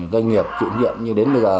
doanh nghiệp chủ nhiệm như đến bây giờ